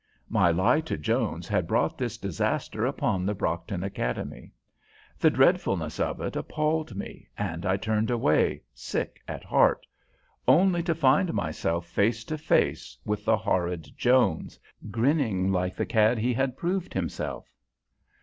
My lie to Jones had brought this disaster upon the Brockton Academy. The dreadfulness of it appalled me, and I turned away, sick at heart, only to find myself face to face with the horrid Jones, grinning like the cad he had proved himself.